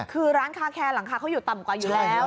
คือร้านคาแคร์หลังคาเขาอยู่ต่ำกว่าอยู่แล้ว